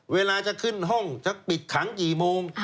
เวลาจะขึ้นห้องจะปิดขังกี่โมง